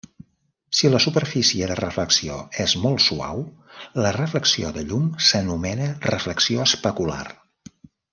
Si la superfície de reflexió és molt suau, la reflexió de llum s'anomena reflexió especular.